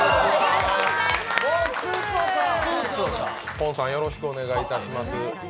ポンさん、よろしくお願いします。